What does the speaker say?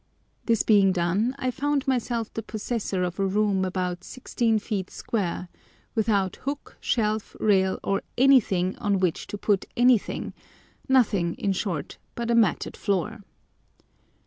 This being done, I found myself the possessor of a room about sixteen feet square, without hook, shelf, rail, or anything on which to put anything—nothing, in short, but a matted floor.